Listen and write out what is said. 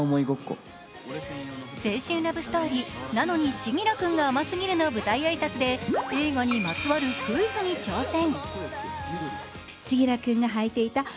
青春ラブストーリー「なのに、千輝くんが甘すぎる」の舞台挨拶で映画にまつわるクイズに挑戦。